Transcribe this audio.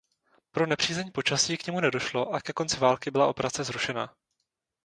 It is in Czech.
Pro nepřízeň počasí k němu nedošlo a ke konci války byla operace zrušena.